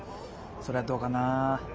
それはどうかな。